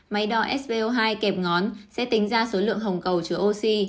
máy đo sbo hai kẹp ngón sẽ tính ra số lượng hồng cầu chứa oxy